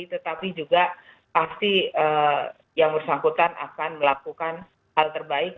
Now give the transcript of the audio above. tetapi juga pasti yang bersangkutan akan melakukan hal terbaik